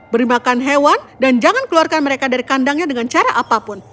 beri makan hewan dan jangan keluarkan mereka dari kandangnya dengan cara apapun